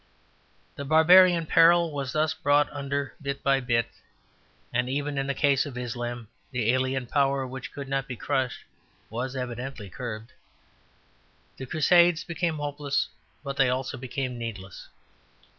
The barbarian peril was thus brought under bit by bit, and even in the case of Islam the alien power which could not be crushed was evidently curbed. The Crusades became hopeless, but they also became needless.